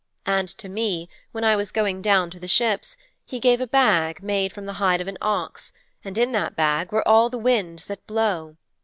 And to me, when I was going down to the ships, he gave a bag made from the hide of an ox, and in that bag were all the winds that blow.